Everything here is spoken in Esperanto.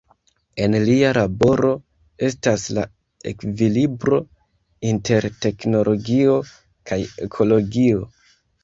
En lia laboro estas la ekvilibro inter teknologio kaj ekologio.